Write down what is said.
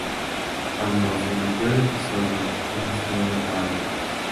Cuando se emitió el episodio, Wallace todavía estaba vivo.